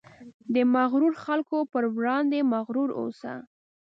د مغرورو خلکو په وړاندې مغرور اوسه.